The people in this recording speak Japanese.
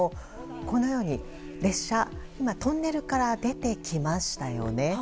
このように列車はトンネルから出てきましたよね。